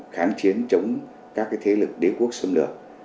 kháng chiến chống các thế lực đế quốc xâm lược